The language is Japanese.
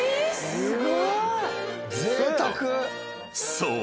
［そう。